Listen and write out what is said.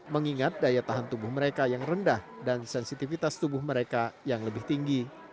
mengingat daya tahan tubuh mereka yang rendah dan sensitivitas tubuh mereka yang lebih tinggi